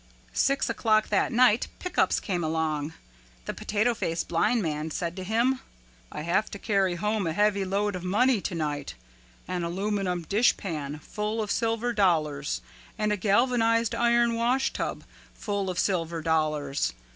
Six o'clock that night Pick Ups came along. The Potato Face Blind Man said to him, "I have to carry home a heavy load of money to night, an aluminum dishpan full of silver dollars and a galvanized iron washtub full of silver dollars.